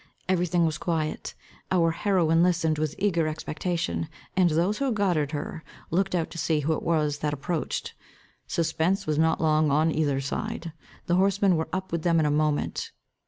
Every thing was quiet. Our heroine listened with eager expectation, and those who guarded her looked out to see who it was that approached. Suspense was not long on either side. The horsemen were up with them in a moment.